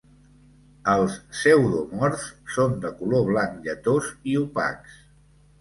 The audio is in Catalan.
Els pseudomorfs són de color blanc lletós i opacs.